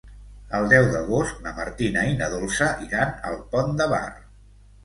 El deu d'agost na Martina i na Dolça iran al Pont de Bar.